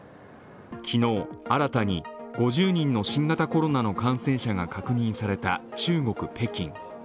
昨日、新たに５０人の新型コロナの感染者が確認された中国・北京。